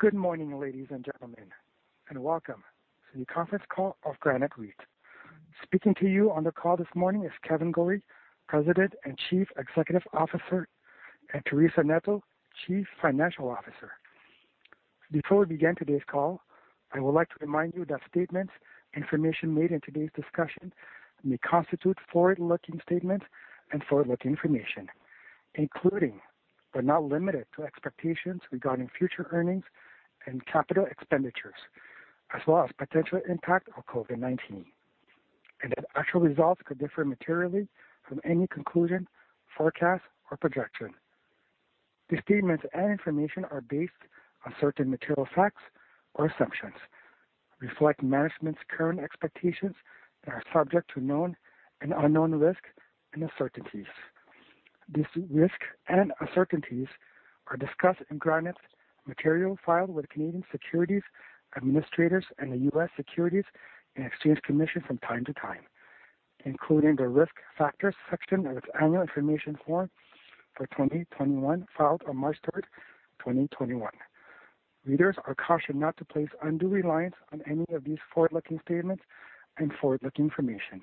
Good morning, ladies and gentlemen, and welcome to the conference call of Granite REIT. Speaking to you on the call this morning is Kevan Gorrie, President and Chief Executive Officer, and Teresa Neto, Chief Financial Officer. Before we begin today's call, I would like to remind you that statements and information made in today's discussion may constitute forward-looking statements and forward-looking information, including, but not limited to expectations regarding future earnings and capital expenditures, as well as potential impact of COVID-19, and that actual results could differ materially from any conclusion, forecast, or projection. These statements and information are based on certain material facts or assumptions, reflect management's current expectations, and are subject to known and unknown risks and uncertainties. These risks and uncertainties are discussed in Granite's material filed with Canadian securities administrators and the U.S. Securities and Exchange Commission from time to time, including the Risk Factors section of its annual information form for 2021, filed on March 3rd, 2021. Readers are cautioned not to place undue reliance on any of these forward-looking statements and forward-looking information.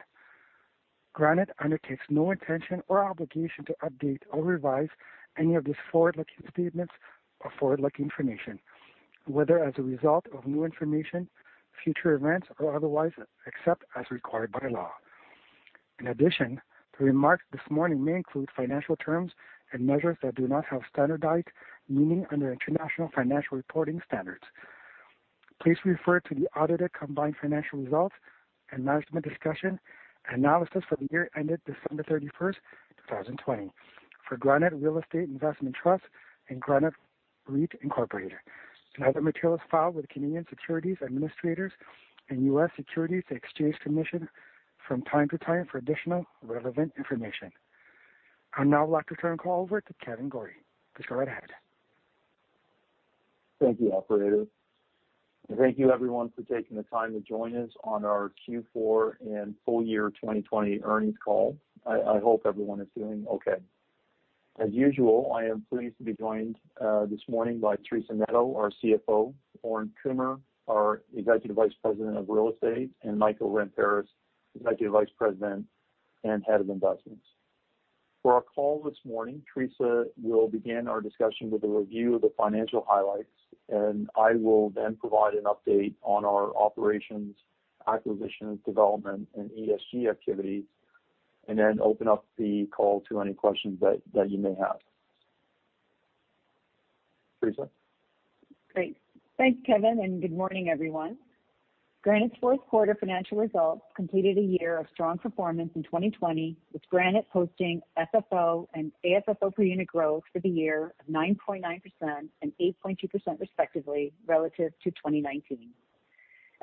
Granite undertakes no intention or obligation to update or revise any of these forward-looking statements or forward-looking information, whether as a result of new information, future events, or otherwise, except as required by law. In addition, the remarks this morning may include financial terms and measures that do not have standardized meaning under International Financial Reporting Standards. Please refer to the audited combined financial results and management discussion and analysis for the year ended December 31st, 2020 for Granite Real Estate Investment Trust and Granite REIT Inc. Other materials filed with Canadian securities administrators and U.S. Securities and Exchange Commission from time to time for additional relevant information. I'd now like to turn the call over to Kevan Gorrie. Please go right ahead. Thank you, operator. Thank you, everyone, for taking the time to join us on our Q4 and full-year 2020 earnings call. I hope everyone is doing okay. As usual, I am pleased to be joined this morning by Teresa Neto, our CFO, Lorne Kumer, our Executive Vice President of Real Estate, and Michael Ramparas, Executive Vice President and Head of Investments. For our call this morning, Teresa will begin our discussion with a review of the financial highlights, and I will then provide an update on our operations, acquisitions, development, and ESG activities, and then open up the call to any questions that you may have. Teresa? Great. Thanks, Kevan, and good morning, everyone. Granite's fourth quarter financial results completed a year of strong performance in 2020, with Granite posting FFO and AFFO per unit growth for the year of 9.9% and 8.2% respectively, relative to 2019.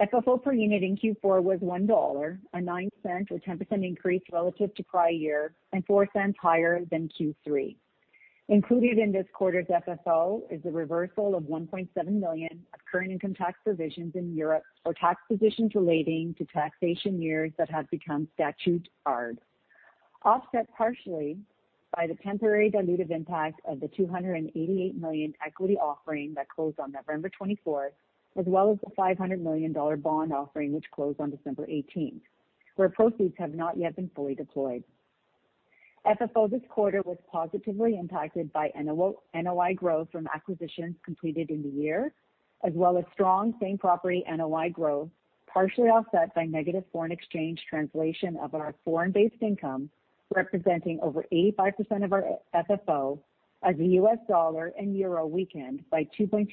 FFO per unit in Q4 was 1 dollar, a nine cent or 10% increase relative to prior year and four cents higher than Q3. Included in this quarter's FFO is the reversal of 1.7 million of current income tax provisions in Europe for tax positions relating to taxation years that have become statute-barred, offset partially by the temporary dilutive impact of the 288 million equity offering that closed on November 24th, as well as the 500 million dollar bond offering which closed on December 18th, where proceeds have not yet been fully deployed. FFO this quarter was positively impacted by NOI growth from acquisitions completed in the year, as well as strong same property NOI growth, partially offset by negative foreign exchange translation of our foreign-based income, representing over 85% of our FFO as the US dollar and euro weakened by 2.2%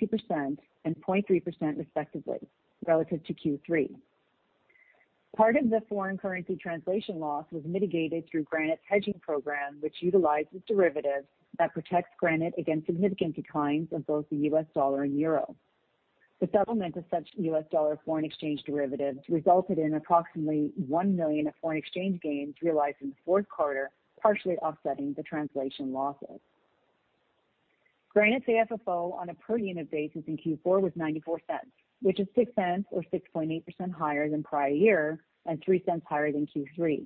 and 0.3%, respectively, relative to Q3. Part of the foreign currency translation loss was mitigated through Granite's hedging program, which utilizes derivatives that protects Granite against significant declines of both the US dollar and euro. The settlement of such US dollar foreign exchange derivatives resulted in approximately 1 million of foreign exchange gains realized in the fourth quarter, partially offsetting the translation losses. Granite's AFFO on a per unit basis in Q4 was 0.94, which is 0.06 or 6.8% higher than prior year and 0.03 higher than Q3.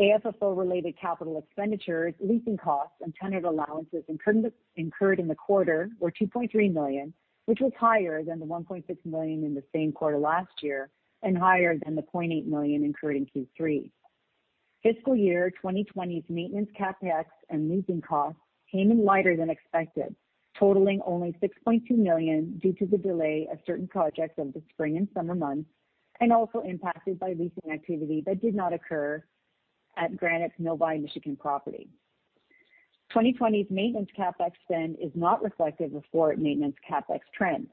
AFFO-related capital expenditures, leasing costs, and tenant allowances incurred in the quarter were 2.3 million, which was higher than the 1.6 million in the same quarter last year and higher than the 0.8 million incurred in Q3. Fiscal year 2020's maintenance CapEx and leasing costs came in lighter than expected, totaling only 6.2 million due to the delay of certain projects over the spring and summer months and also impacted by leasing activity that did not occur at Granite's Novi, Michigan property. 2020's maintenance CapEx spend is not reflective of forward maintenance CapEx trends.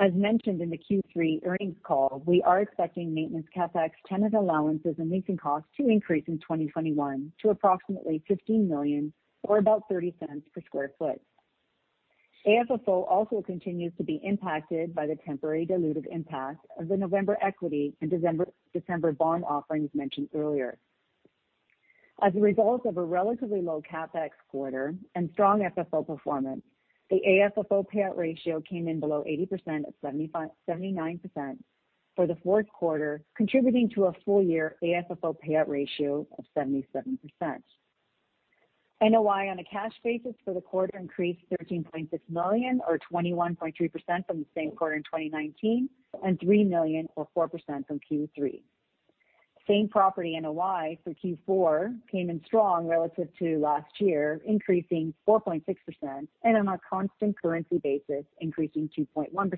As mentioned in the Q3 earnings call, we are expecting maintenance CapEx, tenant allowances, and leasing costs to increase in 2021 to approximately 15 million or about 0.30 per sq ft. AFFO also continues to be impacted by the temporary dilutive impact of the November equity and December bond offerings mentioned earlier. As a result of a relatively low CapEx quarter and strong FFO performance, the AFFO payout ratio came in below 80% at 79%. For the fourth quarter, contributing to a full-year AFFO payout ratio of 77%. NOI on a cash basis for the quarter increased 13.6 million or 21.3% from the same quarter in 2019, and 3 million or 4% from Q3. Same property NOI for Q4 came in strong relative to last year, increasing 4.6%, and on a constant currency basis, increasing 2.1%.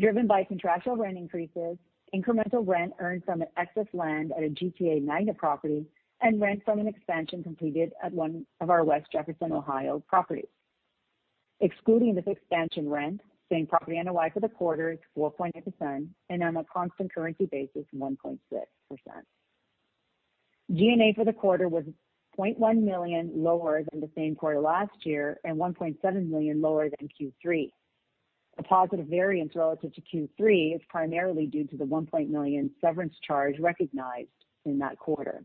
Driven by contractual rent increases, incremental rent earned from an excess land at a GTA Magna property, and rent from an expansion completed at one of our West Jefferson, Ohio properties. Excluding this expansion rent, same property NOI for the quarter is 4.8%, and on a constant currency basis, 1.6%. G&A for the quarter was 0.1 million lower than the same quarter last year and 1.7 million lower than Q3. A positive variance relative to Q3 is primarily due to the 1.1 million severance charge recognized in that quarter.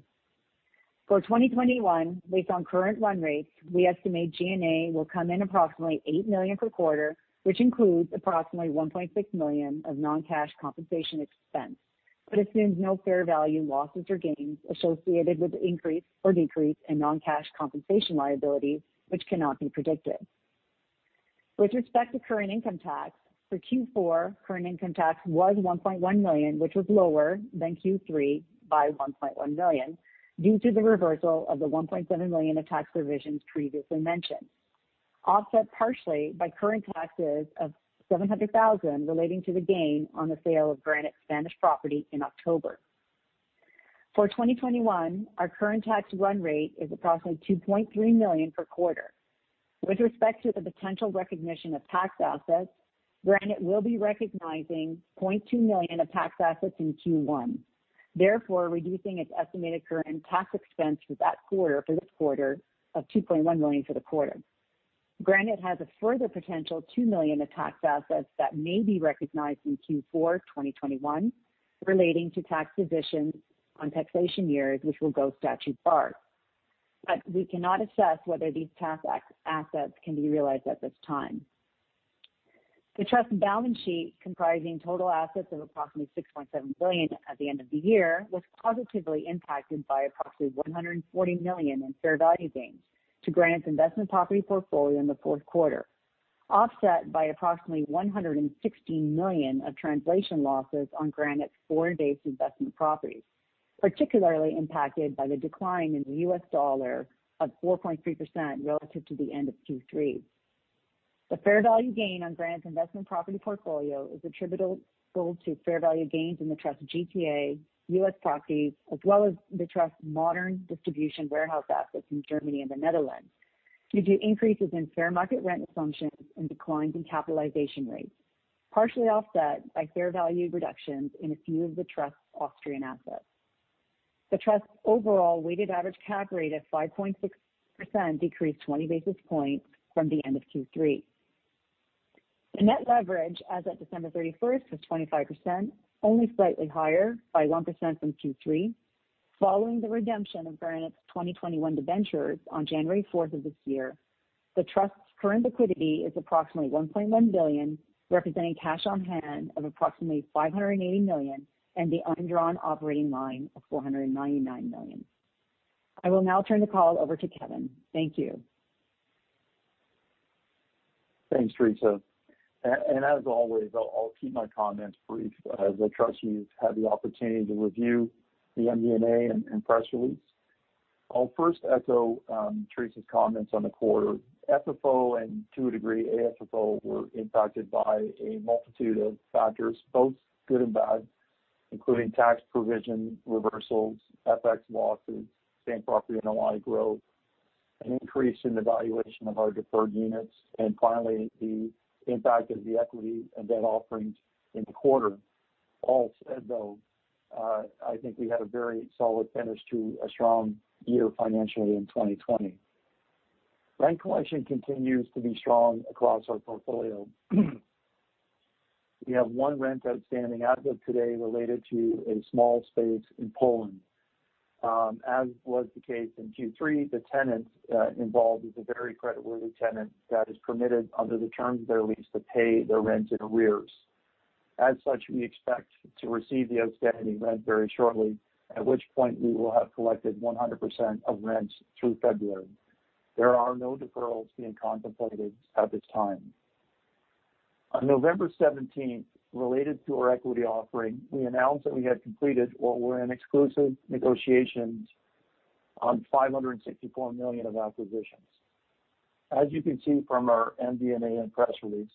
For 2021, based on current run rates, we estimate G&A will come in approximately 8 million per quarter, which includes approximately 1.6 million of non-cash compensation expense, but assumes no fair value losses or gains associated with the increase or decrease in non-cash compensation liability, which cannot be predicted. With respect to current income tax, for Q4, current income tax was 1.1 million, which was lower than Q3 by 1.1 million due to the reversal of the 1.7 million of tax provisions previously mentioned, offset partially by current taxes of 700,000 relating to the gain on the sale of Granite's Spanish property in October. For 2021, our current tax run rate is approximately 2.3 million per quarter. With respect to the potential recognition of tax assets, Granite will be recognizing 0.2 million of tax assets in Q1, therefore reducing its estimated current tax expense for that quarter, for this quarter, of 2.1 million for the quarter. Granite has a further potential 2 million of tax assets that may be recognized in Q4 2021 relating to tax positions on taxation years which will go statute-barred. We cannot assess whether these tax assets can be realized at this time. The trust balance sheet, comprising total assets of approximately 6.7 billion at the end of the year, was positively impacted by approximately 140 million in fair value gains to Granite's investment property portfolio in the fourth quarter, offset by approximately 160 million of translation losses on Granite's foreign-based investment properties, particularly impacted by the decline in the US dollar of 4.3% relative to the end of Q3. The fair value gain on Granite's investment property portfolio is attributable to fair value gains in the trust of GTA, U.S. properties, as well as the trust's modern distribution warehouse assets in Germany and the Netherlands, due to increases in fair market rent assumptions and declines in capitalization rates, partially offset by fair value reductions in a few of the trust's Austrian assets. The trust's overall weighted average cap rate of 5.6% decreased 20 basis points from the end of Q3. The net leverage as of December 31st was 25%, only slightly higher by 1% from Q3 following the redemption of Granite's 2021 debentures on January 4th of this year. The trust's current liquidity is approximately 1.1 billion, representing cash on hand of approximately 580 million and the undrawn operating line of 499 million. I will now turn the call over to Kevan. Thank you. Thanks, Teresa. as always, I'll keep my comments brief as the trustees had the opportunity to review the MD&A and press release. I'll first echo Teresa's comments on the quarter. FFO and to a degree, AFFO, were impacted by a multitude of factors, both good and bad, including tax provision reversals, FX losses, same property NOI growth, an increase in the valuation of our deferred units, and finally, the impact of the equity and debt offerings in the quarter. All said, though, I think we had a very solid finish to a strong year financially in 2020. Rent collection continues to be strong across our portfolio. We have one rent outstanding as of today related to a small space in Poland. As was the case in Q3, the tenant involved is a very creditworthy tenant that is permitted under the terms of their lease to pay their rent in arrears. As such, we expect to receive the outstanding rent very shortly, at which point we will have collected 100% of rents through February. There are no deferrals being contemplated at this time. On November 17th, related to our equity offering, we announced that we had completed what were in exclusive negotiations on 564 million of acquisitions. As you can see from our MD&A and press release,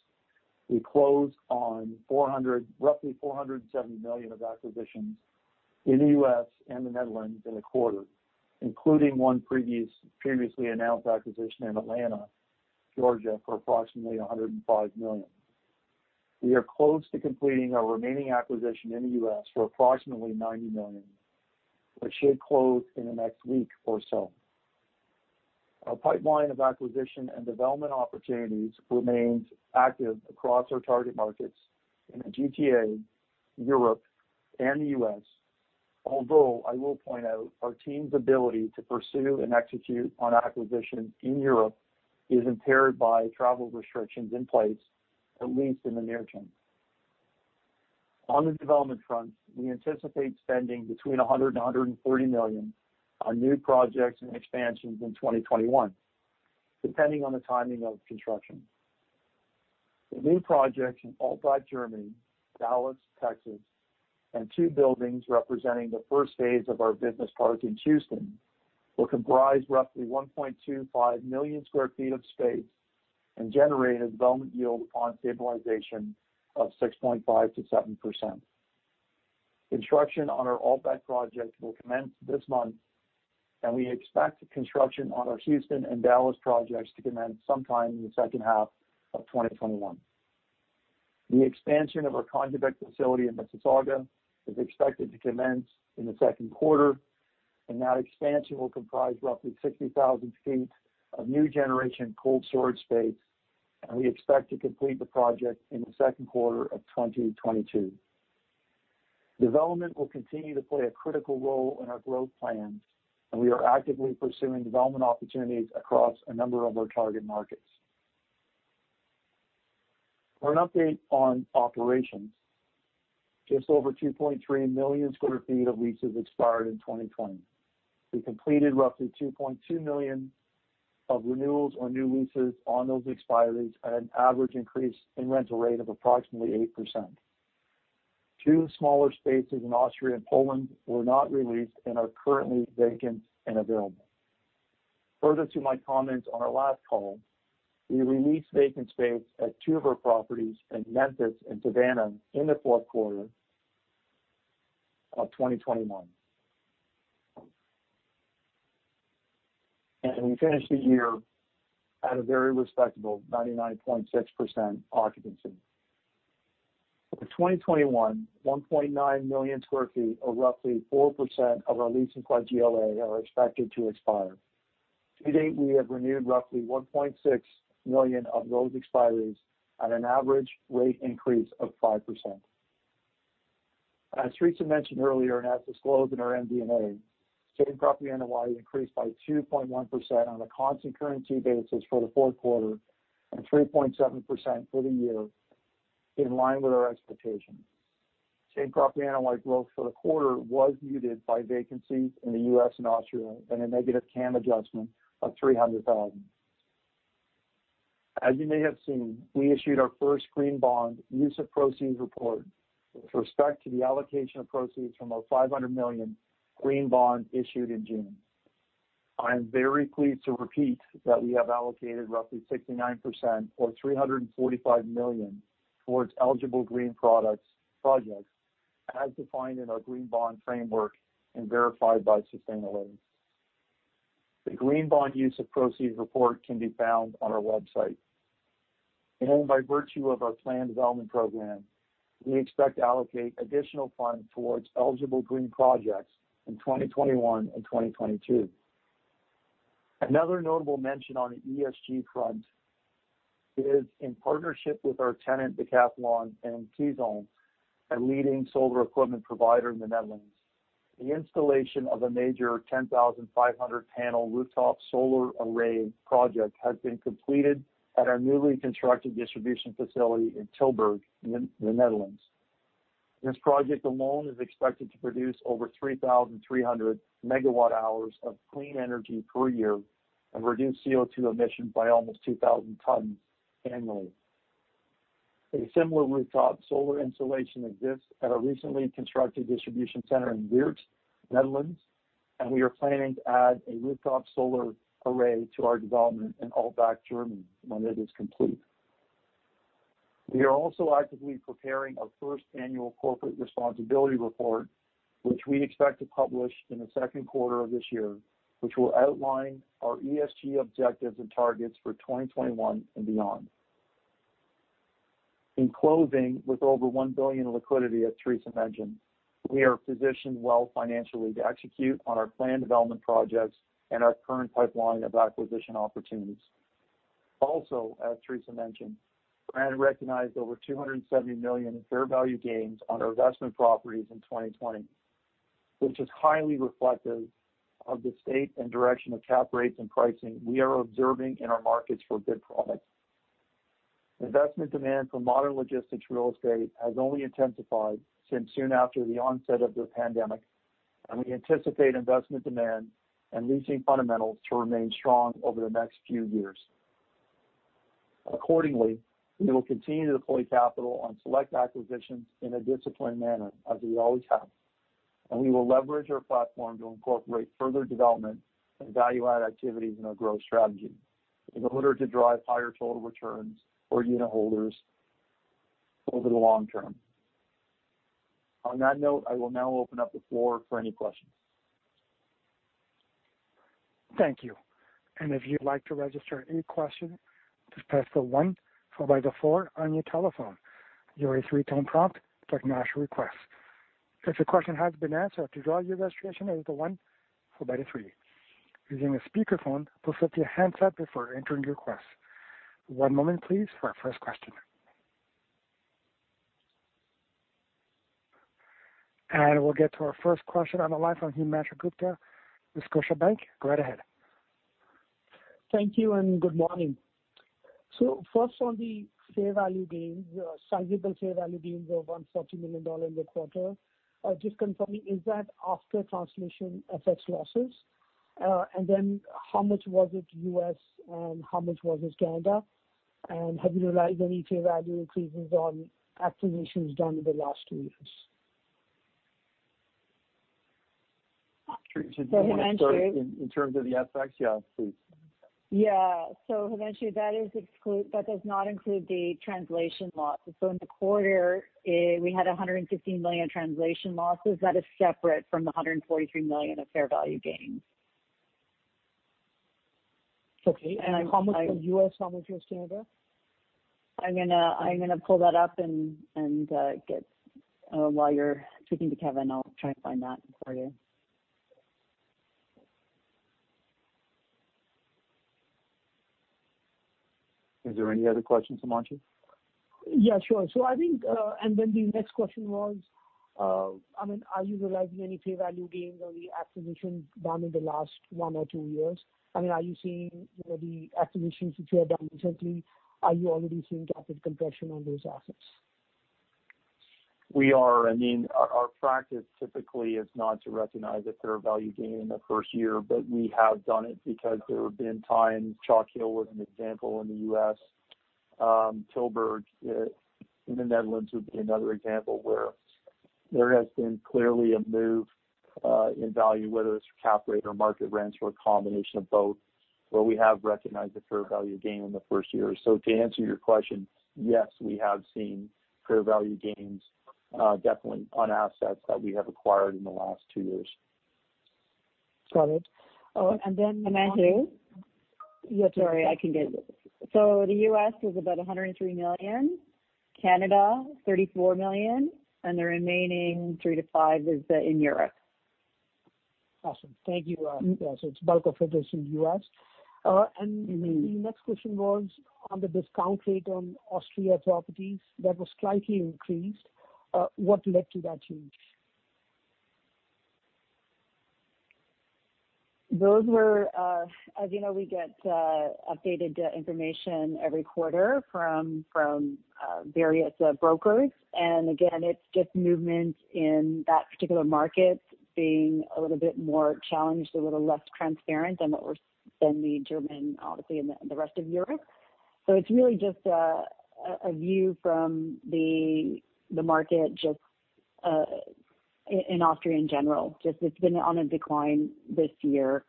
we closed on roughly 470 million of acquisitions in the U.S. and the Netherlands in the quarter, including one previously announced acquisition in Atlanta, Georgia, for approximately 105 million. We are close to completing our remaining acquisition in the U.S. for approximately 90 million, which should close in the next week or so. Our pipeline of acquisition and development opportunities remains active across our target markets in the GTA, Europe, and the U.S. I will point out our team's ability to pursue and execute on acquisitions in Europe is impaired by travel restrictions in place, at least in the near term. On the development front, we anticipate spending between 100 million and 140 million on new projects and expansions in 2021, depending on the timing of construction. The new projects in Altbach, Germany, Dallas, Texas, and two buildings representing the first phase of our business park in Houston will comprise roughly 1.25 million sq ft of space and generate a development yield on stabilization of 6.5%-7%. Construction on our Altbach project will commence this month, and we expect construction on our Houston and Dallas projects to commence sometime in the second half of 2021. The expansion of our Congebec facility in Mississauga is expected to commence in the second quarter, and that expansion will comprise roughly 60,000 ft of new generation cold storage space, and we expect to complete the project in the second quarter of 2022. Development will continue to play a critical role in our growth plans, and we are actively pursuing development opportunities across a number of our target markets. For an update on operations, just over 2.3 million sq ft of leases expired in 2020. We completed roughly 2.2 million of renewals or new leases on those expiries at an average increase in rental rate of approximately 8%. Two smaller spaces in Austria and Poland were not re-leased and are currently vacant and available. Further to my comments on our last call, we re-leased vacant space at two of our properties in Memphis and Savannah in the fourth quarter of 2021. We finished the year at a very respectable 99.6% occupancy. For 2021, 1.9 million sq ft or roughly 4% of our leasing core GLA are expected to expire. To date, we have renewed roughly 1.6 million of those expiries at an average rate increase of 5%. As Teresa mentioned earlier and as disclosed in our MD&A, same property NOI increased by 2.1% on a constant currency basis for the fourth quarter and 3.7% for the year, in line with our expectations. Same property NOI growth for the quarter was muted by vacancies in the U.S. and Austria and a negative CAM adjustment of 300,000. As you may have seen, we issued our first green bond use of proceeds report with respect to the allocation of proceeds from our 500 million green bond issued in June. I am very pleased to repeat that we have allocated roughly 69% or 345 million towards eligible green projects as defined in our green bond framework and verified by Sustainalytics. The green bond use of proceeds report can be found on our website. By virtue of our planned development program, we expect to allocate additional funds towards eligible green projects in 2021 and 2022. Another notable mention on the ESG front is in partnership with our tenant, Decathlon, and KiesZon, a leading solar equipment provider in the Netherlands. The installation of a major 10,500 panel rooftop solar array project has been completed at our newly constructed distribution facility in Tilburg in the Netherlands. This project alone is expected to produce over 3,300 MWh of clean energy per year and reduce CO2 emissions by almost 2,000 tons annually. A similar rooftop solar installation exists at our recently constructed distribution center in Weert, Netherlands, and we are planning to add a rooftop solar array to our development in Altbach, Germany, when it is complete. We are also actively preparing our first annual corporate responsibility report, which we expect to publish in the second quarter of this year, which will outline our ESG objectives and targets for 2021 and beyond. In closing, with over 1 billion in liquidity, as Theresa mentioned, we are positioned well financially to execute on our planned development projects and our current pipeline of acquisition opportunities. As Teresa mentioned, Granite recognized over 270 million in fair value gains on our investment properties in 2020, which is highly reflective of the state and direction of cap rates and pricing we are observing in our markets for good product. Investment demand for modern logistics real estate has only intensified since soon after the onset of the pandemic, and we anticipate investment demand and leasing fundamentals to remain strong over the next few years. Accordingly, we will continue to deploy capital on select acquisitions in a disciplined manner, as we always have, and we will leverage our platform to incorporate further development and value add activities in our growth strategy in order to drive higher total returns for unitholders over the long term. On that note, I will now open up the floor for any questions. Thank you. And if you'd like to register any question, just press the one followed by the four on your telephone. You will hear a three-tone prompt to acknowledge your request. If your question has been answered, to withdraw your registration, enter the one followed by the three. Using a speakerphone, please mute your handset before entering your request. One moment please for our first question. We'll get to our first question on the line from Himanshu Gupta, with Scotiabank. Go right ahead. Thank you, and good morning. First on the fair value gains, sizable fair value gains of 140 million dollar in the quarter. Just confirming, is that after translation FX losses? Then how much was it U.S., and how much was it Canada? Have you realized any fair value increases on acquisitions done in the last two years? Terri, did you want to start- Himanshu- In terms of the FX? Yeah, please. Yeah. Himanshu, that does not include the translation losses. In the quarter, we had 115 million translation losses. That is separate from the 143 million of fair value gains. Okay. How much was U.S., how much was Canada? I'm going to pull that up and while you're speaking to Kevan, I'll try and find that for you. Is there any other questions, Himanshu? Yeah, sure. the next question was, are you realizing any fair value gains on the acquisitions done in the last one or two years? Are you seeing the acquisitions which you have done recently, are you already seeing capital compression on those assets? We are. Our practice typically is not to recognize a fair value gain in the first year, but we have done it because there have been times, Chalk Hill was an example in the U.S. Tilburg, in the Netherlands would be another example where there has been clearly a move, in value, whether it's cap rate or market rents or a combination of both, where we have recognized the fair value gain in the first year. To answer your question, yes, we have seen fair value gains, definitely on assets that we have acquired in the last two years. Got it. Himanshu. Sorry, I can get it. The U.S. is about 103 million, Canada 34 million, and the remaining 3 million-5 million is in Europe. Awesome. Thank you. it's bulk of it is in the U.S. The next question was on the discount rate on Austria properties that was slightly increased. What led to that change? As you know, we get updated information every quarter from various brokers. again, it's just movement in that particular market being a little bit more challenged, a little less transparent than the German, obviously, and the rest of Europe. it's really just a view from the market just in Austria in general, just it's been on a decline this year.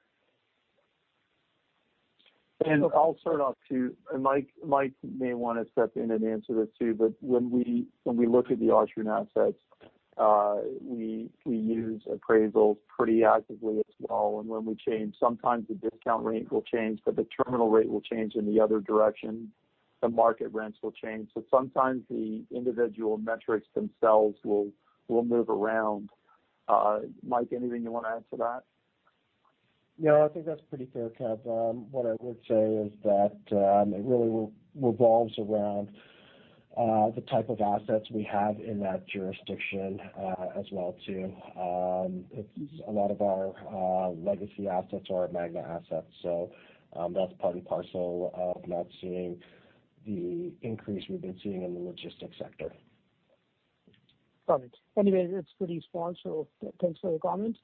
I'll start off too. Mike may want to step in and answer this too, but when we look at the Austrian assets, we use appraisals pretty actively as well. When we change, sometimes the discount rate will change, but the terminal rate will change in the other direction, the market rents will change. Sometimes the individual metrics themselves will move around. Mike, anything you want to add to that? Yeah, I think that's pretty fair, Kev. What I would say is that, it really revolves around the type of assets we have in that jurisdiction as well too. A lot of our legacy assets are Magna assets, so that's part and parcel of not seeing the increase we've been seeing in the logistics sector. Got it. Anyway, it's pretty small, so thanks for your comment.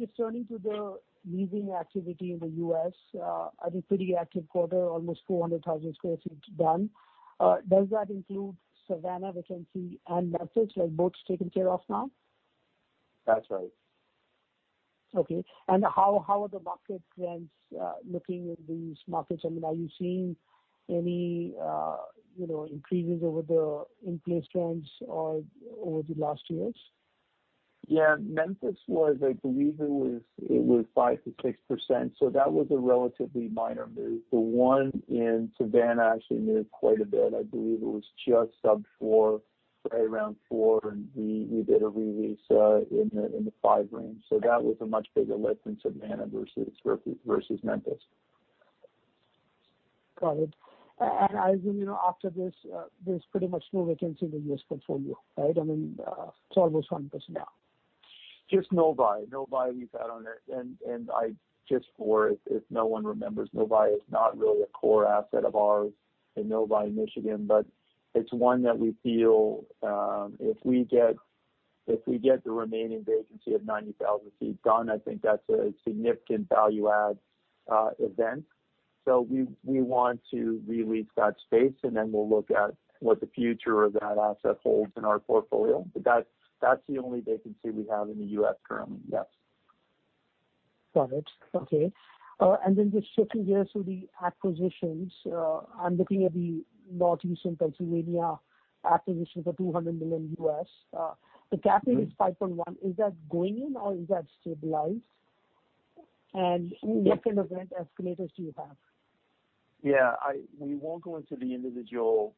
just turning to the leasing activity in the U.S., had a pretty active quarter, almost 400,000 sq ft done. Does that include Savannah vacancy and Memphis, like both taken care of now? That's right. Okay. How are the market rents looking in these markets? Are you seeing any increases over the in-place rents or over the last years? Yeah. Memphis was, I believe it was 5%-6%, so that was a relatively minor move. The one in Savannah actually moved quite a bit. I believe it was just sub 4%, say around 4%, and we did a re-lease in the 5% range. That was a much bigger lift in Savannah versus Memphis. Got it. As you know, after this, there's pretty much no vacancy in the U.S. portfolio, right? It's almost 100% now. Just Novi. Novi we've had on it. just for if no one remembers, Novi is not really a core asset of ours in Novi, Michigan, but it's one that we feel if we get the remaining vacancy of 90,000 sq ft done, I think that's a significant value add event. we want to re-lease that space, and then we'll look at what the future of that asset holds in our portfolio. that's the only vacancy we have in the U.S. currently. Yes. Got it. Okay. just shifting gears to the acquisitions, I'm looking at the Northeastern Pennsylvania acquisition of $200 million. The cap rate is 5.1. Is that going in or is that stabilized? what kind of rent escalators do you have? Yeah, we won't go into the individual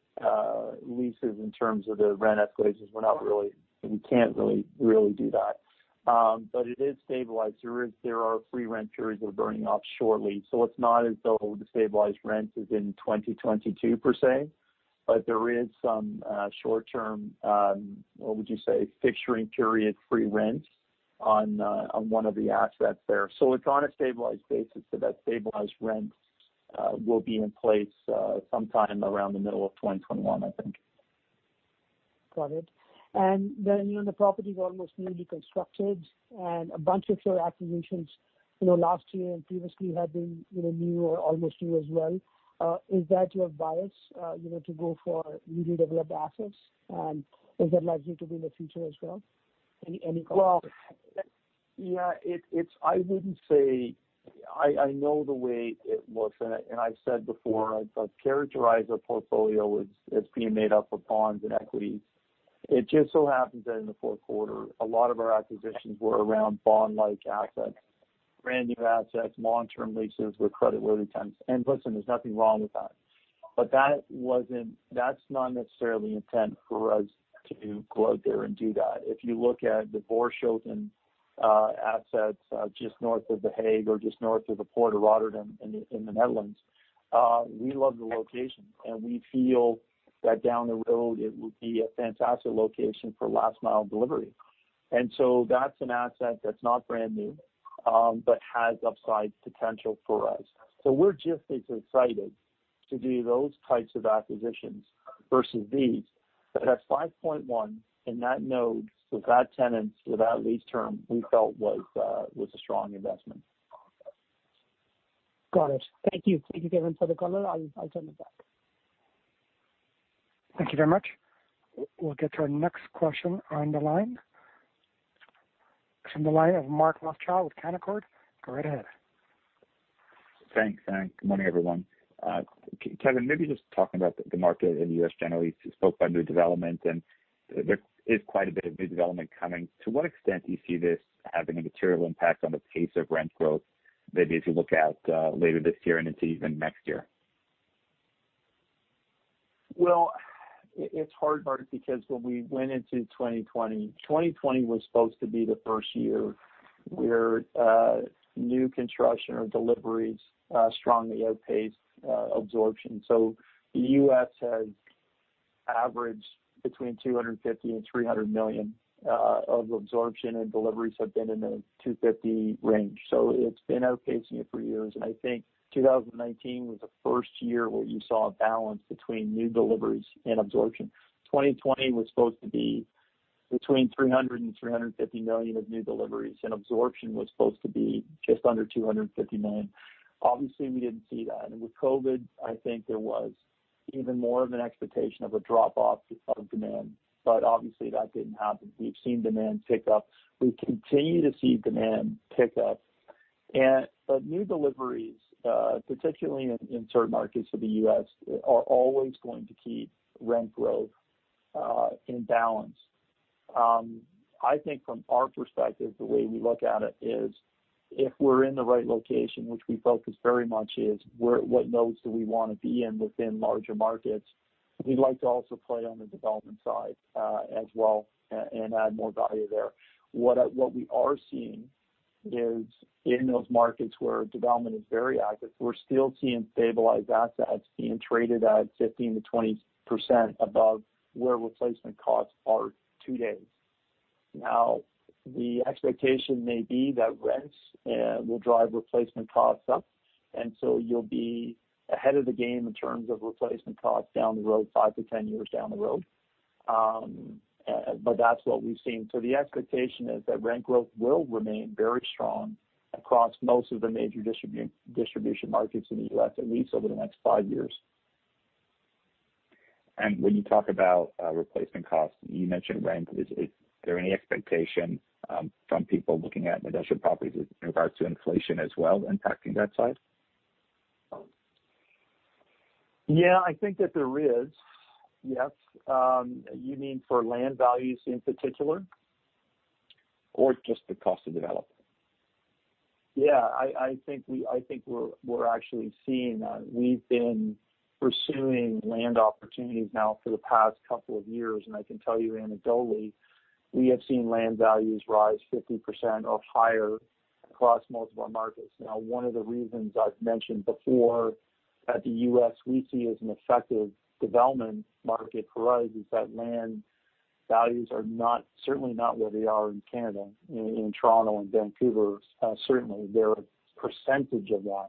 leases in terms of the rent escalators. We can't really do that. It is stabilized. There are free rent periods that are burning off shortly. It's not as though the stabilized rent is in 2022 per se, but there is some short-term, what would you say, fixturing period free rent on one of the assets there. It's on a stabilized basis, so that stabilized rents will be in place sometime around the middle of 2021, I think. Got it. Then the property's almost newly constructed, and a bunch of your acquisitions last year and previously have been new or almost new as well. Is that your bias, to go for newly developed assets? Is that likely to be in the future as well? Any comments? Well, yeah. I know the way it looks, and I've said before, I'd characterize our portfolio as being made up of bonds and equities. It just so happens that in the fourth quarter, a lot of our acquisitions were around bond-like assets, brand new assets, long-term leases with creditworthy tenants. listen, there's nothing wrong with that. that's not necessarily intent for us to go out there and do that. If you look at the Borssele assets just north of the Hague or just north of the port of Rotterdam in the Netherlands, we love the location, and we feel that down the road it will be a fantastic location for last-mile delivery. that's an asset that's not brand new, but has upside potential for us. we're just as excited to do those types of acquisitions versus these at 5.1 in that node with that tenant for that lease term, we felt was a strong investment. Got it. Thank you. Thank you, Kevan, for the color. I'll turn it back. Thank you very much. We'll get to our next question on the line. It's from the line of Mark Rothschild with Canaccord. Go right ahead. Thanks. Good morning, everyone. Kevan, maybe just talking about the market in the U.S. generally. You spoke about new development, and there is quite a bit of new development coming. To what extent do you see this having a material impact on the pace of rent growth, maybe as you look out later this year and into even next year? Well, it's hard, Mark, because when we went into 2020 was supposed to be the first year where new construction or deliveries strongly outpaced absorption. The U.S. has averaged between 250 million and 300 million of absorption, and deliveries have been in the 250 million range. It's been outpacing it for years, and I think 2019 was the first year where you saw a balance between new deliveries and absorption. 2020 was supposed to be between 300 million and 350 million of new deliveries, and absorption was supposed to be just under 250 million. Obviously, we didn't see that. With COVID, I think there was even more of an expectation of a drop-off of demand, but obviously that didn't happen. We've seen demand pick up. We continue to see demand pick up. New deliveries, particularly in certain markets of the U.S., are always going to keep rent growth in balance. I think from our perspective, the way we look at it is, if we're in the right location, which we focus very much is what nodes do we want to be in within larger markets, we'd like to also play on the development side as well and add more value there. What we are seeing is in those markets where development is very active, we're still seeing stabilized assets being traded at 15%-20% above where replacement costs are today. Now, the expectation may be that rents will drive replacement costs up, and so you'll be ahead of the game in terms of replacement costs down the road, five to 10 years down the road. that's what we've seen. The expectation is that rent growth will remain very strong across most of the major distribution markets in the U.S., at least over the next five years. When you talk about replacement costs, you mentioned rent. Is there any expectation from people looking at industrial properties in regards to inflation as well impacting that side? Yeah, I think that there is. Yes. You mean for land values in particular? Or just the cost of development. Yeah. I think we're actually seeing that. We've been pursuing land opportunities now for the past couple of years, and I can tell you anecdotally, we have seen land values rise 50% or higher across most of our markets. Now, one of the reasons I've mentioned before that the U.S. we see as an effective development market for us is that land values are certainly not where they are in Canada. In Toronto and Vancouver, certainly they're a percentage of that.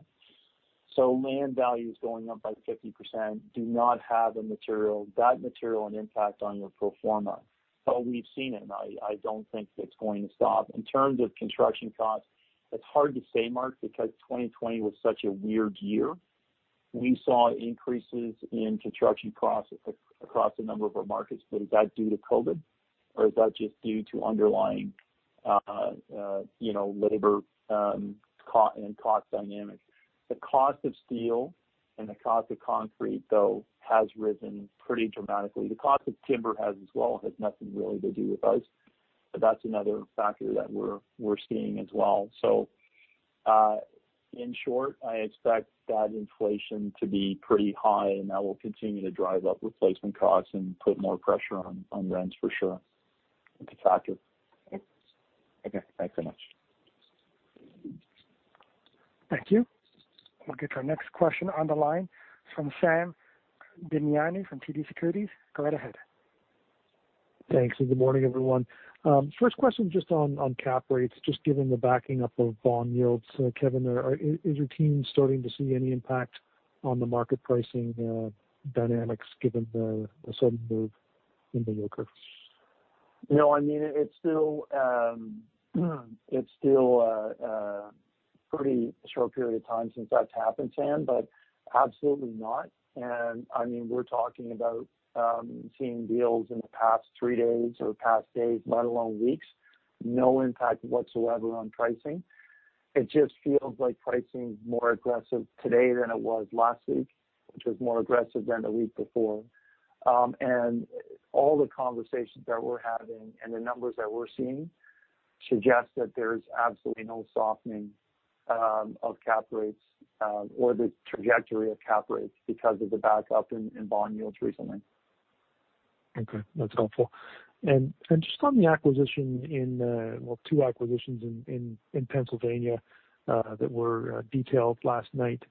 Land values going up by 50% do not have that material an impact on your pro forma. We've seen it, and I don't think that's going to stop. In terms of construction costs, it's hard to say, Mark, because 2020 was such a weird year. We saw increases in construction costs across a number of our markets, but is that due to COVID or is that just due to underlying labor and cost dynamics? The cost of steel and the cost of concrete, though, has risen pretty dramatically. The cost of timber has as well. It has nothing really to do with us, but that's another factor that we're seeing as well. In short, I expect that inflation to be pretty high, and that will continue to drive up replacement costs and put more pressure on rents for sure. Okay. Thanks very much. Thank you. We'll get to our next question on the line from Sam Damiani from TD Securities. Go right ahead. Thanks, and good morning, everyone. First question just on cap rates, just given the backing up of bond yields. Kevan, is your team starting to see any impact on the market pricing dynamics given the sudden move in the yield curves? No, it's still a pretty short period of time since that's happened, Sam, but absolutely not. we're talking about seeing deals in the past three days or past days, let alone weeks, no impact whatsoever on pricing. It just feels like pricing's more aggressive today than it was last week, which was more aggressive than the week before. All the conversations that we're having and the numbers that we're seeing suggest that there's absolutely no softening of cap rates or the trajectory of cap rates because of the backup in bond yields recently. Okay, that's helpful. just on well, two acquisitions in Pennsylvania, that were detailed last night.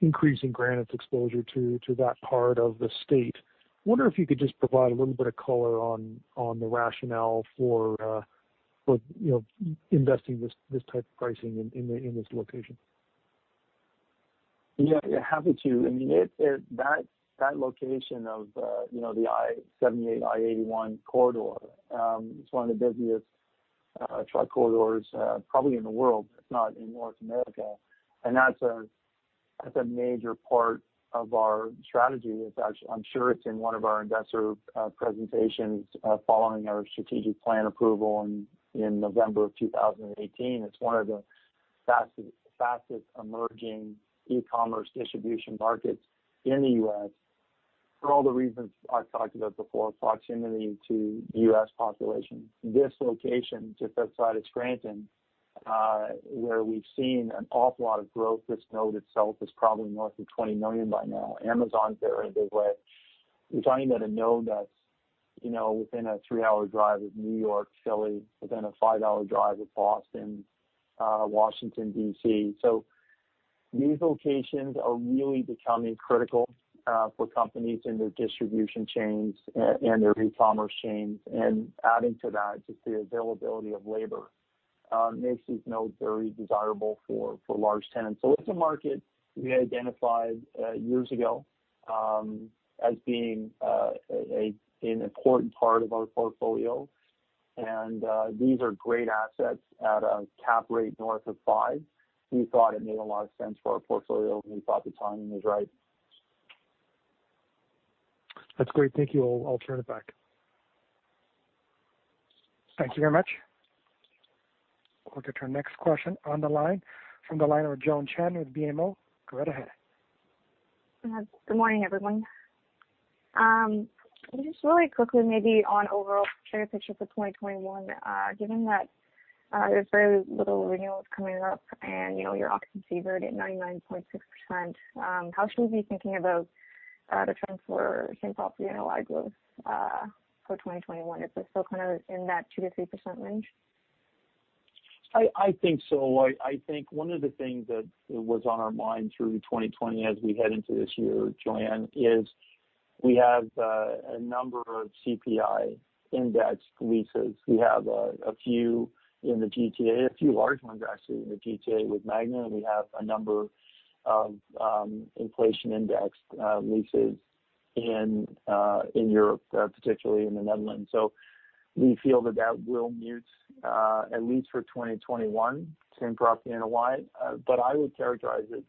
Increasing Granite's exposure to that part of the state. Wonder if you could just provide a little bit of color on the rationale for investing this type of pricing in this location. Yeah. Happy to. That location of the I-78, I-81 corridor, it's one of the busiest truck corridors, probably in the world, if not in North America. That's a major part of our strategy. I'm sure it's in one of our investor presentations, following our strategic plan approval in November of 2018. It's one of the fastest emerging e-commerce distribution markets in the U.S. for all the reasons I've talked about before, proximity to U.S. population. This location, just outside of Scranton, where we've seen an awful lot of growth, this node itself is probably north of 20 million by now. Amazon's there anyway. We're talking about a node that's within a three-hour drive of New York, Philly, within a five-hour drive of Boston, Washington, D.C. These locations are really becoming critical for companies and their distribution chains and their e-commerce chains. Adding to that, just the availability of labor makes these nodes very desirable for large tenants. It's a market we identified years ago as being an important part of our portfolio. These are great assets at a cap rate north of five. We thought it made a lot of sense for our portfolio, and we thought the timing was right. That's great. Thank you. I'll turn it back. Thank you very much. We'll get to our next question on the line from Joanne Chen with BMO. Go right ahead. Good morning, everyone. Just really quickly, maybe on overall share picture for 2021, given that there's very little renewals coming up and your occupancy is already at 99.6%. How should we be thinking about the trends for same property NOI growth for 2021? Is it still kind of in that 2%-3% range? I think so. I think one of the things that was on our mind through 2020 as we head into this year, Joanne, is we have a number of CPI index leases. We have a few in the GTA, a few large ones, actually, in the GTA with Magna, and we have a number of inflation index leases in Europe, particularly in the Netherlands. We feel that will mute, at least for 2021, same property NOI. I would characterize it,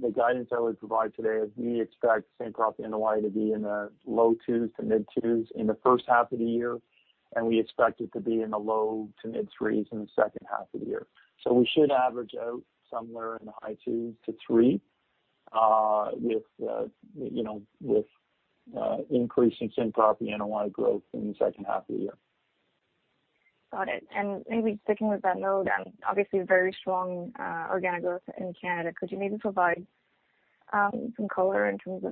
the guidance I would provide today is we expect same property NOI to be in the low 2% to mid 2% in the first half of the year, and we expect it to be in the low to mid 3% in the second half of the year. We should average out somewhere in the high 2%-3%, with increase in same property NOI growth in the second half of the year. Got it. Maybe sticking with that note, and obviously very strong organic growth in Canada. Could you maybe provide some color in terms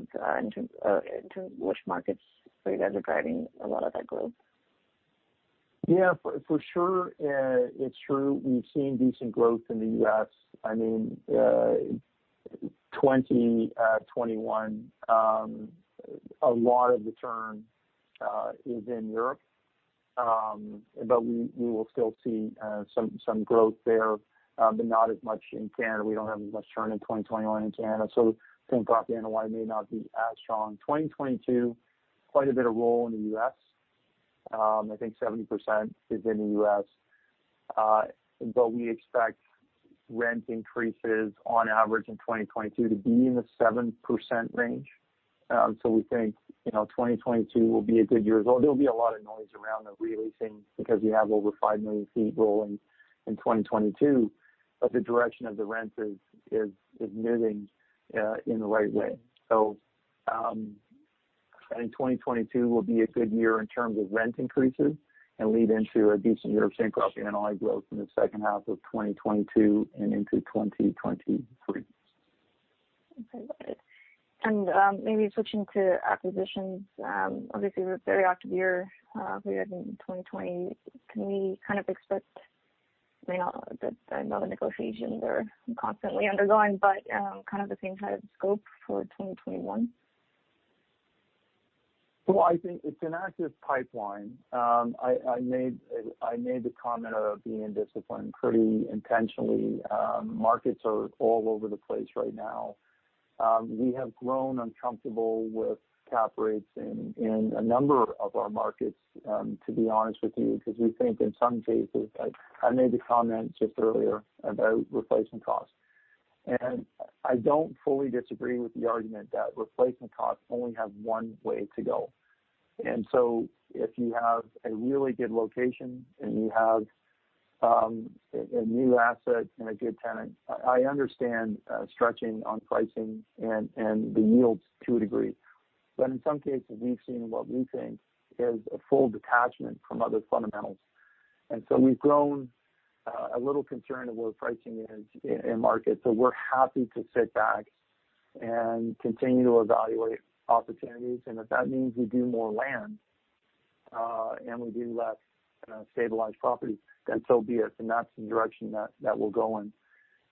of which markets for you guys are driving a lot of that growth? Yeah, for sure. It's true, we've seen decent growth in the U.S. 2021, a lot of the turn is in Europe. We will still see some growth there, but not as much in Canada. We don't have as much turn in 2021 in Canada. Same property NOI may not be as strong. 2022, quite a bit of roll in the U.S. I think 70% is in the U.S. We expect rent increases on average in 2022 to be in the 7% range. We think 2022 will be a good year as well. There'll be a lot of noise around the re-leasing because we have over 5 million ft rolling in 2022. The direction of the rent is moving in the right way. In 2022 will be a good year in terms of rent increases and lead into a decent year of same-property NOI growth in the second half of 2022 and into 2023. Okay, got it. Maybe switching to acquisitions. Obviously, it was a very active year for you in 2020. Can we kind of expect, I know that negotiations are constantly undergoing, but kind of the same kind of scope for 2021? Well, I think it's an active pipeline. I made the comment of being disciplined pretty intentionally. Markets are all over the place right now. We have grown uncomfortable with cap rates in a number of our markets, to be honest with you, because we think in some cases, I made the comment just earlier about replacement costs. I don't fully disagree with the argument that replacement costs only have one way to go. If you have a really good location and you have a new asset and a good tenant, I understand stretching on pricing and the yields to a degree. In some cases, we've seen what we think is a full detachment from other fundamentals. We've grown a little concerned of where pricing is in markets. We're happy to sit back and continue to evaluate opportunities. If that means we do more land, and we do less stabilized property, then so be it. that's the direction that we'll go in.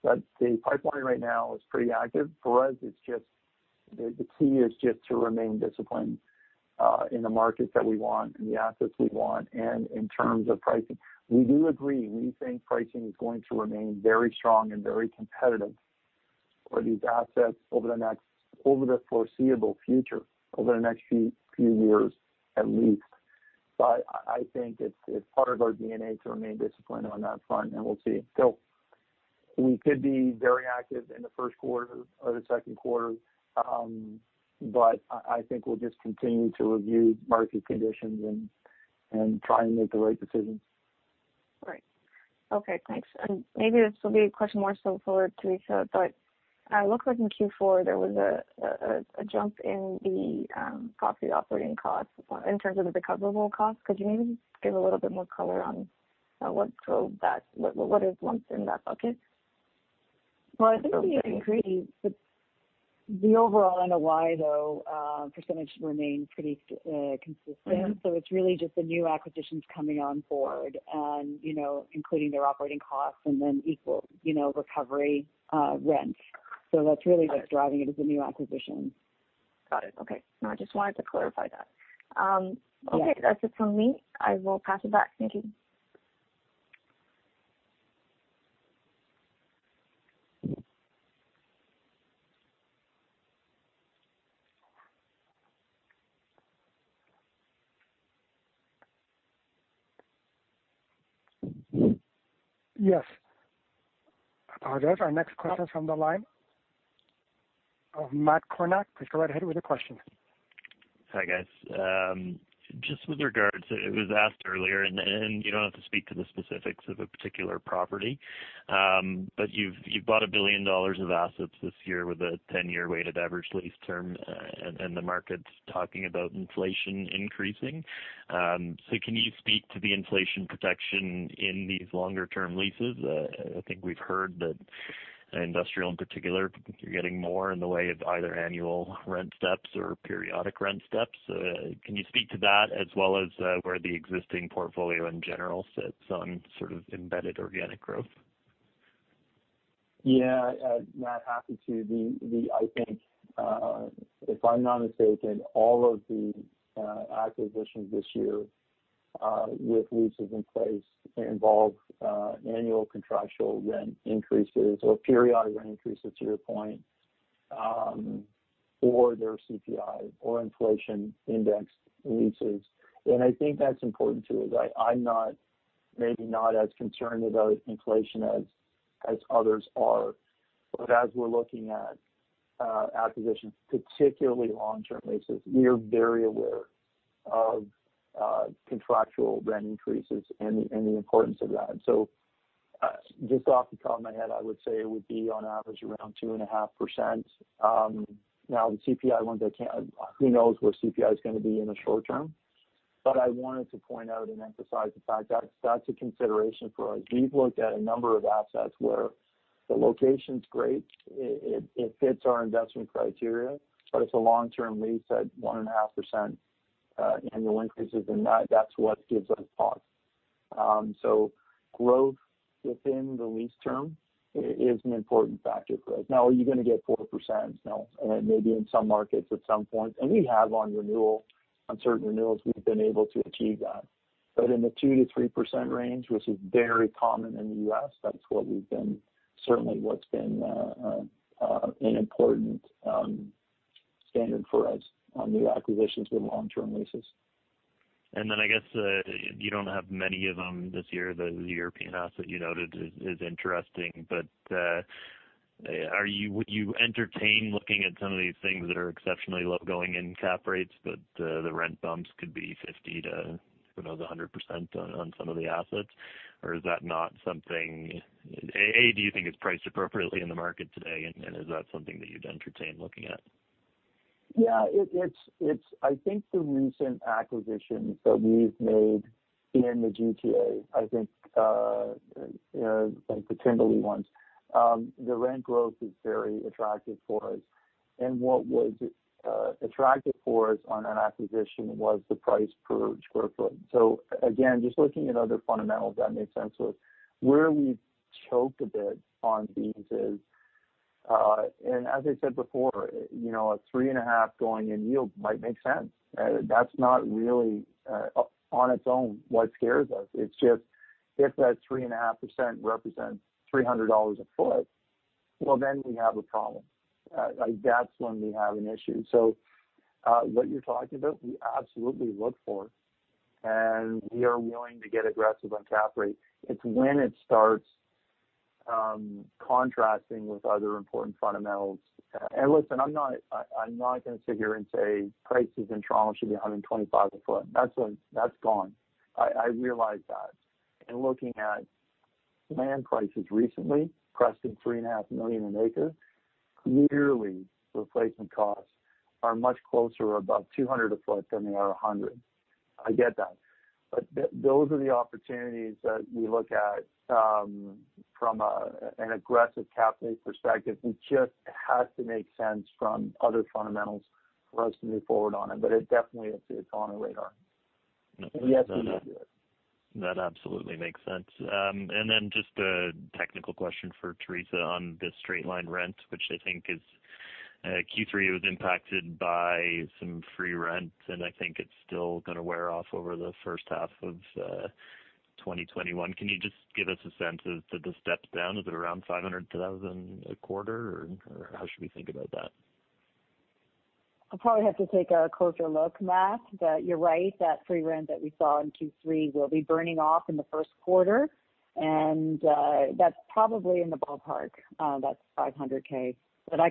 the pipeline right now is pretty active. For us, the key is just to remain disciplined, in the markets that we want and the assets we want. in terms of pricing, we do agree, we think pricing is going to remain very strong and very competitive for these assets over the foreseeable future, over the next few years at least. I think it's part of our DNA to remain disciplined on that front, and we'll see. we could be very active in the first quarter or the second quarter. I think we'll just continue to review market conditions and try and make the right decisions. Right. Okay, thanks. Maybe this will be a question more so for Teresa, but it looked like in Q4, there was a jump in the property operating costs in terms of the recoverable costs. Could you maybe give a little bit more color on what is in that bucket? Well, I think it'll be increasing, but the overall NOI, though, percentage remains pretty consistent. It's really just the new acquisitions coming on board and including their operating costs and then equal recovery rents. That's really what's driving it is the new acquisitions. Got it. Okay. No, I just wanted to clarify that. Yes. Okay. That's it from me. I will pass it back. Thank you. Yes. Operator? Our next question is from the line of Matt Kornack. Please go right ahead with your question. Hi, guys. Just with regards, it was asked earlier, and you don't have to speak to the specifics of a particular property. You've bought 1 billion dollars of assets this year with a 10-year weighted average lease term, and the market's talking about inflation increasing. Can you speak to the inflation protection in these longer-term leases? I think we've heard that industrial in particular, you're getting more in the way of either annual rent steps or periodic rent steps. Can you speak to that as well as where the existing portfolio in general sits on sort of embedded organic growth? Yeah. Matt, happy to. I think, if I'm not mistaken, all of the acquisitions this year with leases in place involve annual contractual rent increases or periodic rent increases, to your point, or they're CPI or inflation-indexed leases. I think that's important, too, is I'm maybe not as concerned about inflation as others are. As we're looking at acquisitions, particularly long-term leases, we are very aware of contractual rent increases and the importance of that. Just off the top of my head, I would say it would be on average around 2.5%. Now, the CPI ones, who knows where CPI is going to be in the short term. I wanted to point out and emphasize the fact that's a consideration for us. We've looked at a number of assets where the location's great. It fits our investment criteria. It's a long-term lease at 1.5% annual increases, and that's what gives us pause. Growth within the lease term is an important factor for us. Now, are you going to get 4%? No. Maybe in some markets at some point. We have on renewal. On certain renewals, we've been able to achieve that. In the 2%-3% range, which is very common in the U.S., that's certainly what's been an important standard for us on new acquisitions with long-term leases. I guess, you don't have many of them this year. The European asset you noted is interesting. Would you entertain looking at some of these things that are exceptionally low going in cap rates, but the rent bumps could be 50% to, who knows, 100% on some of the assets? is that not something? A, do you think it's priced appropriately in the market today, and is that something that you'd entertain looking at? Yeah. I think the recent acquisitions that we've made in the GTA, I think, like the Tindley ones, the rent growth is very attractive for us. what was attractive for us on that acquisition was the price per square foot. again, just looking at other fundamentals that made sense for us. Where we choked a bit on these is, and as I said before, a three and a half going-in yield might make sense. That's not really, on its own, what scares us. It's just if that 3.5% represents 300 dollars a ft, well, then we have a problem. That's when we have an issue. what you're talking about, we absolutely look for, and we are willing to get aggressive on cap rate. It's when it starts contrasting with other important fundamentals. Listen, I'm not going to sit here and say prices in Toronto should be 125 a ft. That's gone. I realize that. In looking at land prices recently, cresting 3.5 million an acre, clearly replacement costs are much closer above 200 a ft than they are 100. I get that. Those are the opportunities that we look at from an aggressive cap rate perspective. It just has to make sense from other fundamentals for us to move forward on it. It definitely it's on our radar. Yes, we do it. That absolutely makes sense. just a technical question for Teresa on the straight line rent, which I think is Q3 was impacted by some free rent, and I think it's still going to wear off over the first half of 2021. Can you just give us a sense of the step down? Is it around 500,000 a quarter, or how should we think about that? I'll probably have to take a closer look, Matt, but you're right. That free rent that we saw in Q3 will be burning off in the first quarter, and that's probably in the ballpark. That's 500,000. I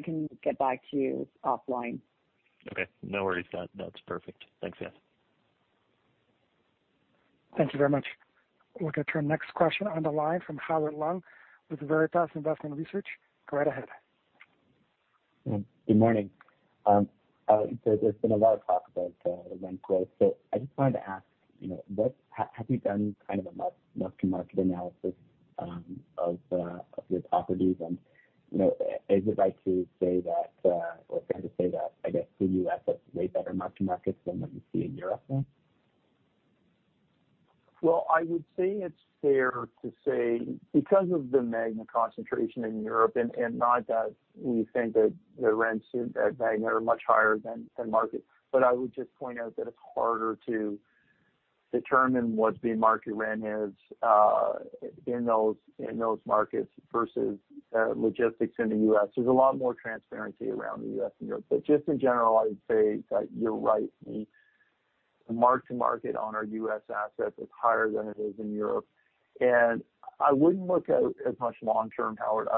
can get back to you offline. Okay. No worries. That's perfect. Thanks. Yeah. Thank you very much. We'll get to our next question on the line from Howard Leung with Veritas Investment Research. Go right ahead. Good morning. There's been a lot of talk about the rent growth. I just wanted to ask, have you done kind of a market analysis of your properties? Is it right to say that, or fair to say that, I guess, the U.S. has way better mark-to-markets than what you see in Europe then? Well, I would say it's fair to say because of the Magna concentration in Europe, and not that we think that the rents at Magna are much higher than market. I would just point out that it's harder to determine what the market rent is in those markets versus logistics in the U.S. There's a lot more transparency around the U.S. and Europe. Just in general, I would say that you're right. The mark-to-market on our U.S. assets is higher than it is in Europe. I wouldn't look at it as much long term, Howard.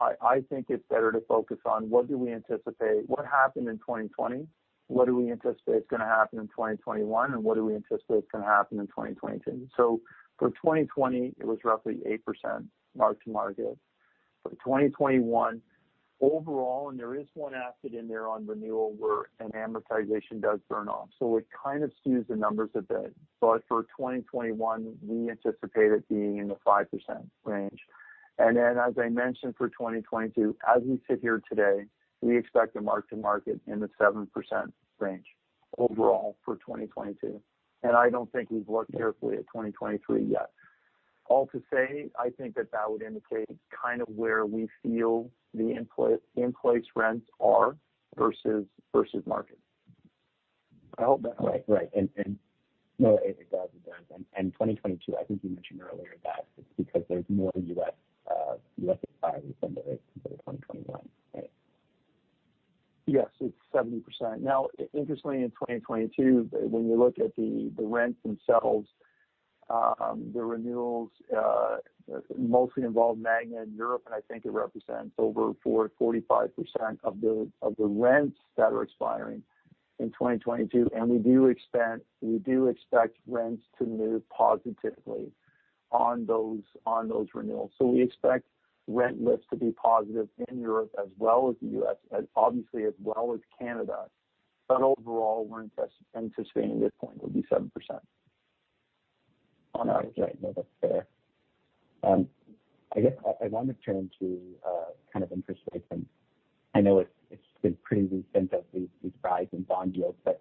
I think it's better to focus on what happened in 2020, what do we anticipate is going to happen in 2021, and what do we anticipate is going to happen in 2022? For 2020, it was roughly 8% mark-to-market. For 2021 overall, and there is one asset in there on renewal where an amortization does burn off. It kind of skews the numbers a bit. For 2021, we anticipate it being in the 5% range. As I mentioned for 2022, as we sit here today, we expect a mark-to-market in the 7% range overall for 2022. I don't think we've looked carefully at 2023 yet. All to say, I think that that would indicate kind of where we feel the in-place rents are versus market. Right. No, it does. 2022, I think you mentioned earlier that it's because there's more U.S. supply compared to 2021, right? Yes, it's 70%. Now, interestingly, in 2022, when you look at the rents themselves, the renewals mostly involve Magna in Europe, and I think it represents over 45% of the rents that are expiring in 2022. We do expect rents to move positively on those renewals. We expect rent lifts to be positive in Europe as well as the U.S., obviously as well as Canada. Overall, we're anticipating at this point will be 7%. On average, right. No, that's fair. I guess I want to turn to kind of interest rates. I know it's been pretty recent of these rising bond yields, but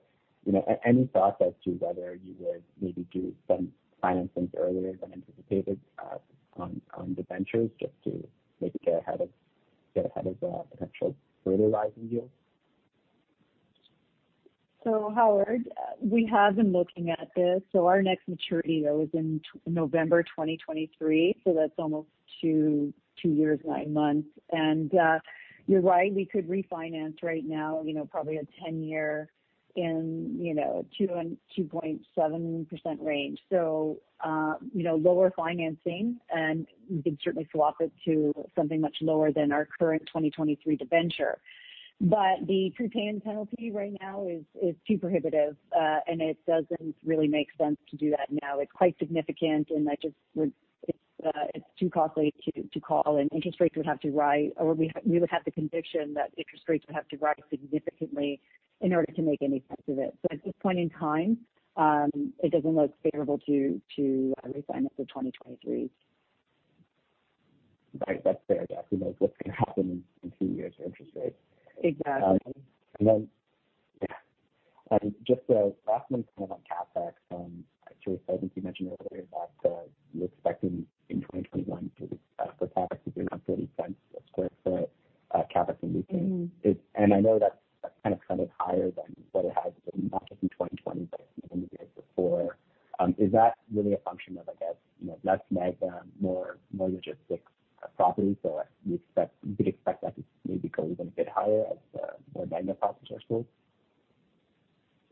any thoughts as to whether you would maybe do some financings earlier than anticipated on debentures just to maybe get ahead of the potential further rising yields? Howard, we have been looking at this. Our next maturity is in November 2023. That's almost two years, nine months. You're right, we could refinance right now probably a 10-year in 2.7% range. Lower financing, and we could certainly swap it to something much lower than our current 2023 debenture. The prepayment penalty right now is too prohibitive, and it doesn't really make sense to do that now. It's quite significant, and it's too costly to call, and interest rates would have to rise, or we would have the conviction that interest rates would have to rise significantly in order to make any sense of it. At this point in time, it doesn't look favorable to re-finance for 2023. Right. That's fair. Yeah. Who knows what's going to happen in two years for interest rates? Exactly. Just a last one on CapEx. I think you mentioned earlier that you're expecting in 2021 for the CapEx to be around CAD 0.30 a sq ft CapEx in leasing. I know that's kind of higher than what it has been, not just in 2020, but even the years before. Is that really a function of, I guess, less Magna, more logistics properties? We'd expect that to maybe go even a bit higher as more Magna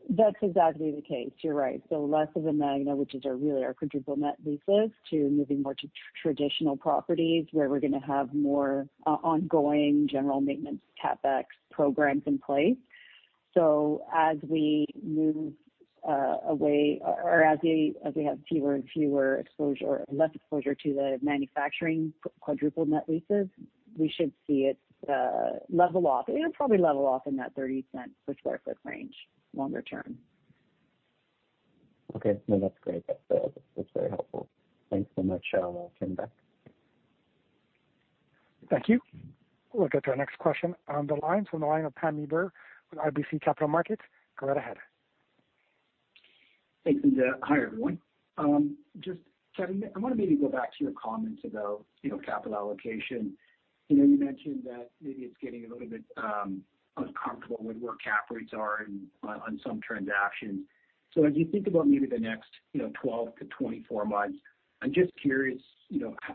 properties are sold? That's exactly the case. You're right. Less of a Magna, which is really our quadruple net leases, to moving more to traditional properties where we're going to have more ongoing general maintenance CapEx programs in place. As we move away or as we have fewer and fewer exposure, less exposure to the manufacturing quadruple net leases, we should see it level off. It'll probably level off in that 0.30 per square foot range longer term. Okay. No, that's great. That's very helpful. Thanks so much. I'll turn it back. Thank you. We'll get to our next question on the line from Pammi Bir with RBC Capital Markets. Go right ahead. Thanks. Hi, everyone. Just Kevan, I want to maybe go back to your comments about capital allocation. You mentioned that maybe it's getting a little bit uncomfortable with where cap rates are on some transactions. As you think about maybe the next 12 months-24 months, I'm just curious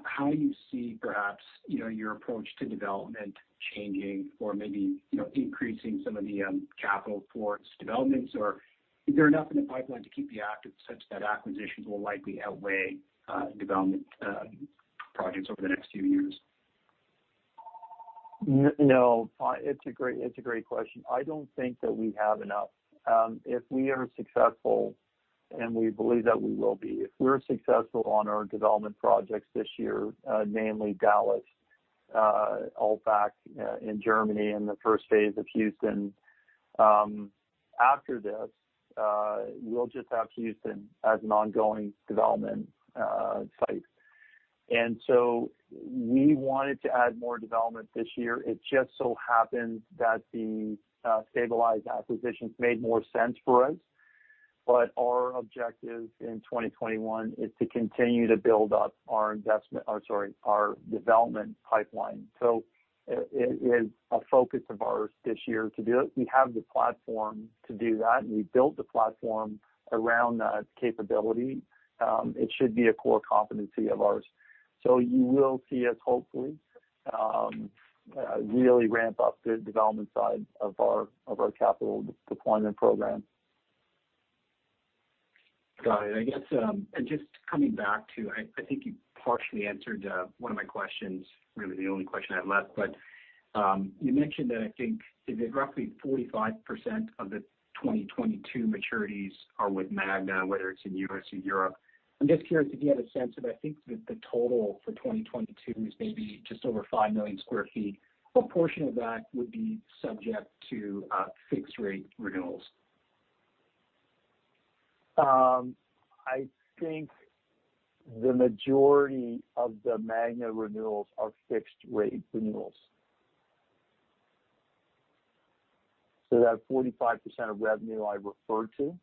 how you see perhaps your approach to development changing or maybe increasing some of the capital towards developments, or is there enough in the pipeline to keep you active such that acquisitions will likely outweigh development projects over the next few years? No, it's a great question. I don't think that we have enough. If we are successful, and we believe that we will be. If we're successful on our development projects this year, namely Dallas, Altbach in Germany, and the first phase of Houston. After this, we'll just have Houston as an ongoing development site. We wanted to add more development this year. It just so happened that the stabilized acquisitions made more sense for us. Our objective in 2021 is to continue to build up our development pipeline. It is a focus of ours this year to do it. We have the platform to do that, and we built the platform around that capability. It should be a core competency of ours. You will see us hopefully really ramp up the development side of our capital deployment program. Got it. I guess, and just coming back to, I think you partially answered one of my questions, really the only question I have left. You mentioned that I think it is roughly 45% of the 2022 maturities are with Magna, whether it's in U.S. or Europe. I'm just curious if you have a sense of, I think the total for 2022 is maybe just over 5 million sq ft. What portion of that would be subject to fixed-rate renewals? I think the majority of the Magna renewals are fixed-rate renewals. That 45% of revenue I referred to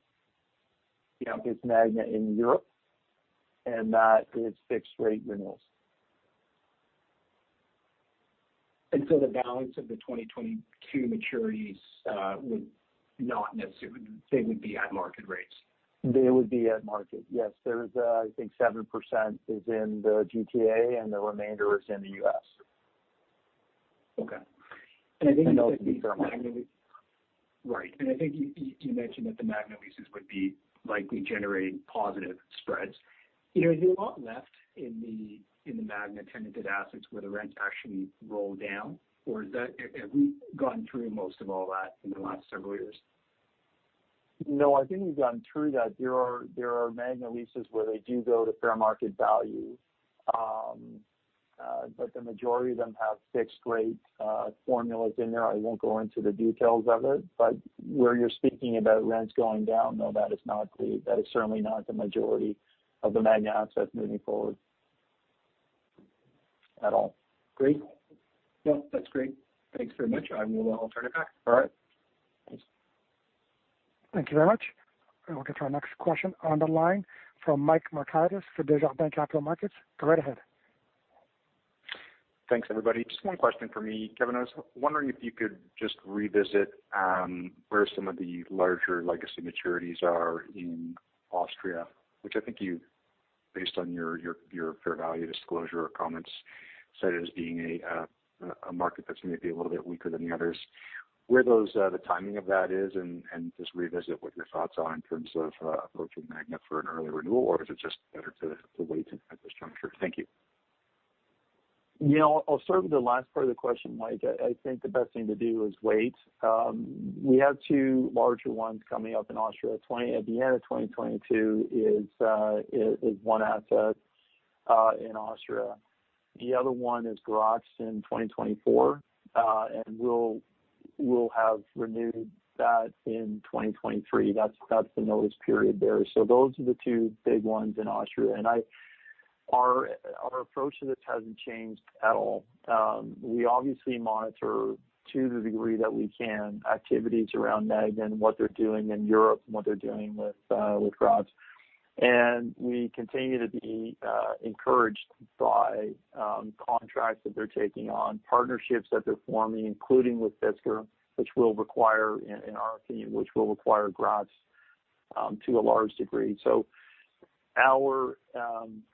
is Magna in Europe, and that is fixed-rate renewals. Would still the balance of the 2022 maturities would be at market rates? They would be at market. Yes. There is, I think 7% is in the GTA, and the remainder is in the U.S. Okay. I think you said- That would be fair market. Right. I think you mentioned that the Magna leases would be likely generating positive spreads. Is there a lot left in the Magna-tenanted assets where the rents actually roll down, or have we gone through most of all that in the last several years? No, I think we've gone through that. There are Magna leases where they do go to fair market value. The majority of them have fixed rate formulas in there. I won't go into the details of it. Where you're speaking about rents going down, no, that is certainly not the majority of the Magna assets moving forward at all. Great. No, that's great. Thanks very much. I will turn it back. All right. Thanks. Thank you very much. We'll get to our next question on the line from Mike Markidis for Desjardins Capital Markets. Go right ahead. Thanks, everybody. Just one question for me. Kevan, I was wondering if you could just revisit where some of the larger legacy maturities are in Austria, which I think you, based on your fair value disclosure or comments, cited as being a market that's maybe a little bit weaker than the others. Where the timing of that is, and just revisit what your thoughts are in terms of approaching Magna for an early renewal, or is it just better to wait at this juncture? Thank you. I'll start with the last part of the question, Mike. I think the best thing to do is wait. We have two larger ones coming up in Austria. At the end of 2022 is one asset in Austria. The other one is Graz in 2024, and we'll have renewed that in 2023. That's the notice period there. Those are the two big ones in Austria. Our approach to this hasn't changed at all. We obviously monitor, to the degree that we can, activities around Magna and what they're doing in Europe and what they're doing with Graz. We continue to be encouraged by contracts that they're taking on, partnerships that they're forming, including with Fisker, which in our opinion, will require Graz to a large degree. Our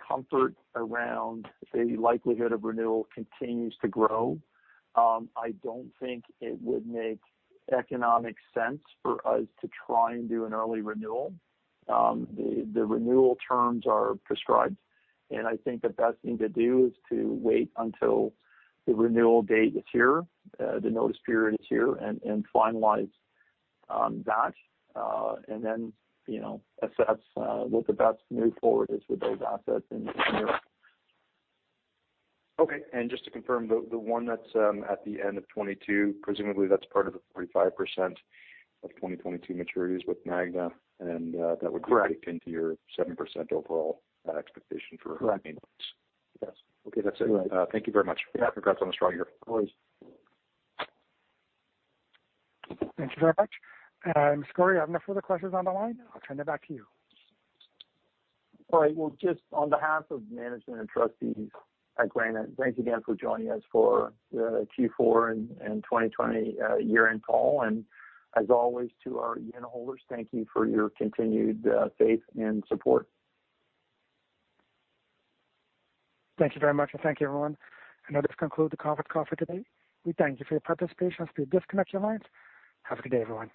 comfort around the likelihood of renewal continues to grow. I don't think it would make economic sense for us to try and do an early renewal. The renewal terms are prescribed, and I think the best thing to do is to wait until the renewal date is here, the notice period is here, and finalize that, and then assess what the best move forward is with those assets in Europe. Okay. Just to confirm, the one that's at the end of 2022, presumably that's part of the 45% of 2022 maturities with Magna, and that would- Correct bake into your 7% overall expectation for maintenance. Correct. Yes. Okay, that's it. Correct. Thank you very much. Yeah. Congrats on a strong year. Of course. Thank you very much. Mr. Gorrie, I have no further questions on the line. I'll turn it back to you. All right. Well, just on behalf of management and trustees at Granite, thanks again for joining us for the Q4 and 2020 year-end call. As always, to our unitholders, thank you for your continued faith and support. Thank you very much, and thank you, everyone. That does conclude the conference call for today. We thank you for your participation. Please disconnect your lines. Have a good day, everyone.